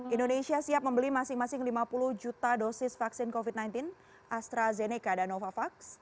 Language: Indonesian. indonesia siap membeli masing masing lima puluh juta dosis vaksin covid sembilan belas astrazeneca dan novavax